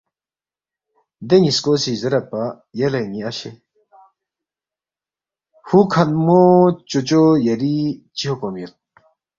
دے نِ٘یسکو سی زیریدپا، یلے ن٘ی اشے ہُوکھنمو چوچو یری چِہ حکم یود؟